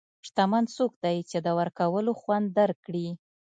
شتمن څوک دی چې د ورکولو خوند درک کړي.